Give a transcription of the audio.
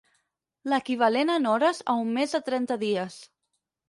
L'equivalent en hores a un mes de trenta dies.